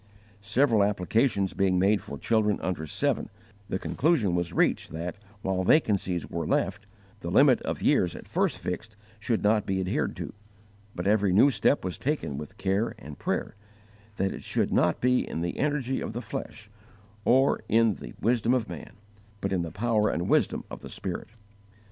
Several applications being made for children under seven, the conclusion was reached that, while vacancies were left, the limit of years at first fixed should not be adhered to; but every new step was taken with care and prayer, that it should not be in the energy of the flesh, or in the wisdom of man, but in the power and wisdom of the Spirit.